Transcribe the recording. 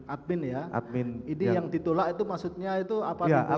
admin admin itulah untuk tuntur